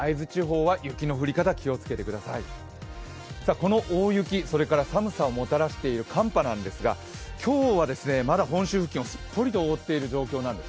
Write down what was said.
この大雪、それから寒さをもたらしている寒波なんですが、今日はまだ本州付近をすっぽりと覆っている状況です。